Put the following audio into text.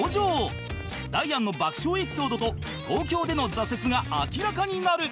ダイアンの爆笑エピソードと東京での挫折が明らかになる